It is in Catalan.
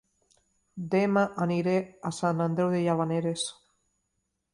Dema aniré a Sant Andreu de Llavaneres